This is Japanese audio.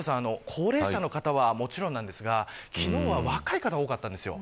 高齢者の方はもちろんですが昨日は若い方が多かったんですよ。